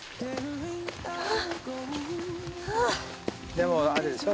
でもあれでしょ